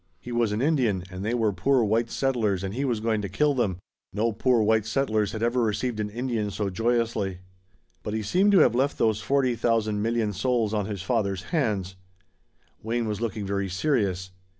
He was an Indian and they were poor white settlers and he was going to kill them. No poor white settlers had ever received an Indian so joyously. But he seemed to have left those forty thousand million souls on his father's hands. Wayne was looking very serious.